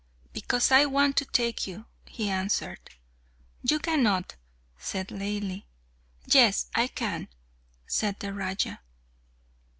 "Because I want to take you," he answered. "You cannot," said Laili. "Yes, I can," said the Raja.